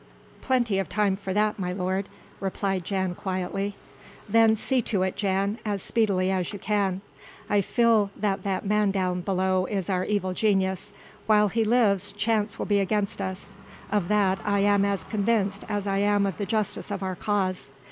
"Plenty of time for that, my lord," replied Jan quietly. "Then see to it, Jan, as speedily as you can. I feel that that man down below is our evil genius. While he lives Chance will be against us, of that I am as convinced as I am of the justice of our cause.